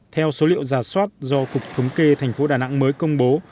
theo số liệu giả soát do cục thống kê thành phố đà nẵng mới công bố